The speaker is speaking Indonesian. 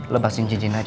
lebaskan cincin aja